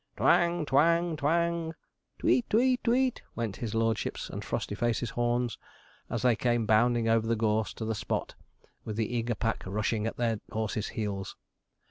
'Twang, twang, twang!' 'Tweet, tweet, tweet!' went his lordship's and Frostyface's horns, as they came bounding over the gorse to the spot, with the eager pack rushing at their horses' heels.